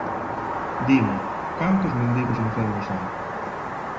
Dime, cantos mendigos enfermos hai?